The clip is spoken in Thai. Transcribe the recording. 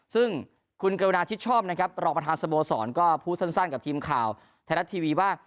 ซึ่งคุณกรุณาชิดชอบนะครับรองประธานสโมสรก็พูดสั้นกับทีมข่าวไทยรัฐทีวีว่า